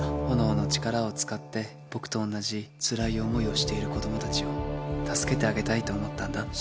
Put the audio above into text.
炎の力を使って僕と同じつらい思いをしている子供たちを助けてあげたいと思ったんだ。